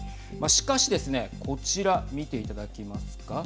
しかしですねこちら見ていただきますか。